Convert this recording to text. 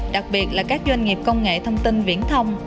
đặc biệt là các doanh nghiệp công nghệ thông tin viễn thông